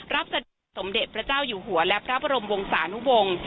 เสด็จสมเด็จพระเจ้าอยู่หัวและพระบรมวงศานุวงศ์